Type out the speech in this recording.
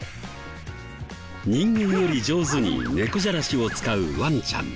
人間より上手に猫じゃらしを使うワンちゃん。